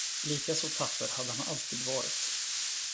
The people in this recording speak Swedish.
Likaså tapper hade han alltid varit.